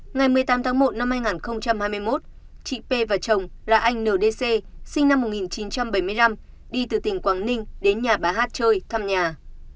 ngày một mươi tám tháng một năm hai nghìn hai mươi một chị p và chồng là anh ndc sinh năm một nghìn chín trăm bảy mươi năm đi từ tỉnh quảng ninh đến nhà bà hát chơi thăm nhà